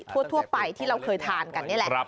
ทั่วไปที่เราเคยทานกันนี่แหละ